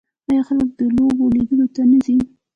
آیا خلک د لوبو لیدلو ته نه ځي؟